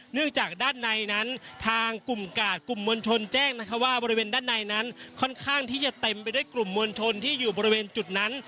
เนื่องจากด้านในนั้นทางกลุ่มกาดกลุ่มมวลชนแจ้งนะคะว่าบริเวณด้านในนั้นค่อนข้างที่จะเต็มไปด้วยกลุ่มมวลชนที่อยู่บริเวณจุดนั้น